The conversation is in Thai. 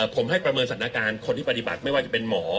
ผมให้ประเมินสถานการณ์คนที่ปฏิบัติไม่ว่าจะเป็นหมอ